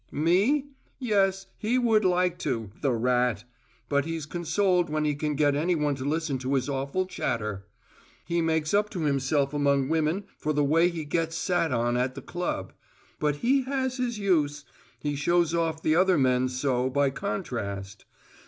"Me? Yes, he would like to, the rat! But he's consoled when he can get any one to listen to his awful chatter. He makes up to himself among women for the way he gets sat on at the club. But he has his use: he shows off the other men so, by contrast.